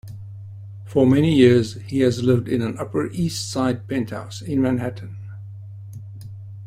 For many years, he has lived in an Upper East Side penthouse in Manhattan.